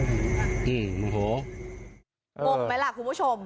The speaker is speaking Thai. อืมงงไหมล่ะคุณผู้ชม